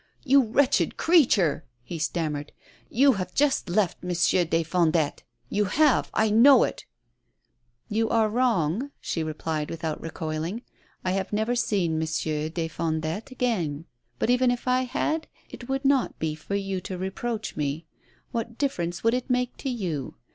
"You wretched creature!" he stammered, "you have just left Monsieur des Fondettes. You have, I know it 1 " "You are wrong," she replied, without recoiling; "I have never seen Monsieur des Fondettes again. But even if I had, it would not be for you to reproach me. What difference would it make to you?